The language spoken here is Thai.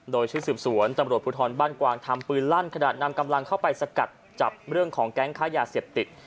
โดยชุดสืบสวนตำรวจภูทรบ้านกวางทำปืนลั่นขนาดนำกำลังเข้าไปสกัดจับเรื่องของแก๊งค้ายาเสพติด